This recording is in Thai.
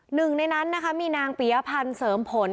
หนึ่งในนั้นนะคะมีนางปียพันธ์เสริมผล